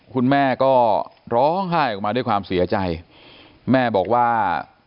คุณแม่ก็ร้องไห้ออกมาด้วยความเสียใจแม่บอกว่า